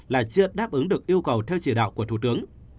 là chưa đáp ứng được yêu cầu theo chỉ đạo của thủ tướng